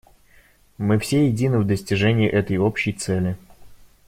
Мы все едины в достижении этой общей цели.